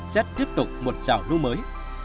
chắc tiếp tục một chào lúc mới